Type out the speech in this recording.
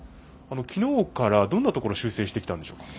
昨日から、どんなところ修正してきたんでしょうか。